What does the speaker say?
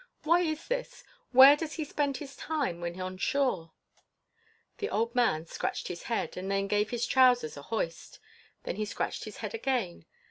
Why is this? Where does he spend his time when on shore?" The old man scratched his head, and then gave his trousers a hoist; then he scratched his head again.